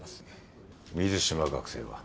水島学生は？